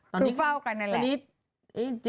คือเฝ้ากันนั่นแหละ